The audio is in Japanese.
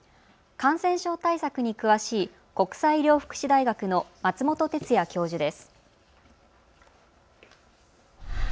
感染症対策に詳しい国際医療福祉大学の松本哲哉教授です。